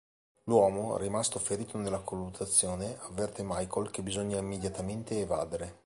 L'uomo, rimasto ferito nella colluttazione, avverte Michael che bisogna immediatamente evadere.